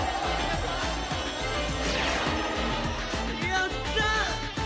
やった！